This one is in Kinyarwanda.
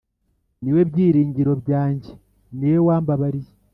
Niwe byiringiro byanjye niwe wambabariye